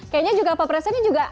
kayaknya juga pak presiden juga